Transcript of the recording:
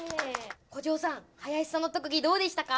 古城さん林さんの特技どうでしたか？